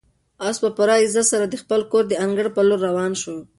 آس په پوره عزت سره د خپل کور د انګړ په لور روان شو.